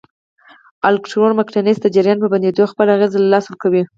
الکترو مقناطیس د جریان په بندېدو خپل اغېز له لاسه ورکوي.